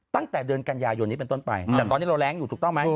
ตั้งแต่เดือนกันยายนนี้เป็นต้นไปแต่ตอนนี้เราแรงอยู่ถูกต้องไหม